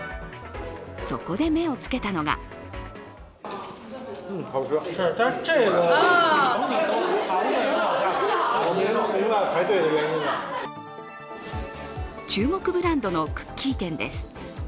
そこで目をつけたのが中国ブランドのクッキー店です。